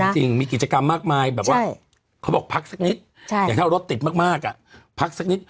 จริงมีกิจกรรมมากมายแบบว่าเขาบอกพักสักนิดอย่างถ้ารถติดมากพักสักนิด